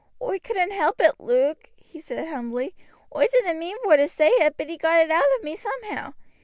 "Oi couldn't help it, Luke," he said humbly. "Oi didn't mean vor to say it, but he got it out of me somehow.